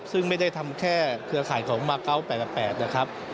ซึ่งไม่ได้ทำแค่เครือข่ายของมาเกาะ๘๘นะครับ